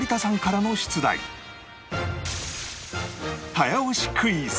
早押しクイズ！